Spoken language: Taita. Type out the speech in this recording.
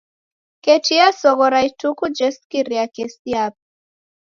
Koti esoghora ituku jesikira kesi yape.